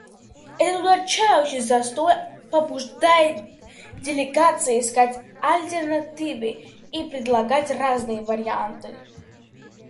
Этот удручающий застой побуждает делегации искать альтернативы и предлагать разные варианты.